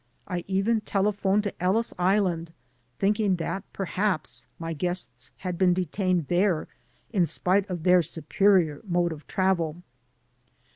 I even telephoned to Ellis Island, thinking that perhaps my guests had been detained there in spite of their superior mode of travel.